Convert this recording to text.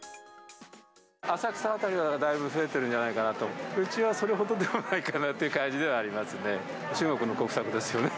浅草辺りがだいぶ増えてるんじゃないかなと、うちはそれほどでもないかなっていう感じではありますね。